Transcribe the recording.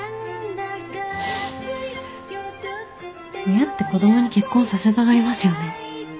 親って子どもに結婚させたがりますよね。